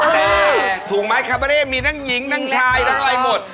แต่ถูกไหมคาเบอร์เร่มีทั้งหญิงทั้งชายทั้งอะไรหมด